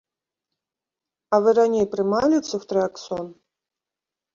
А вы раней прымалі цэфтрыаксон?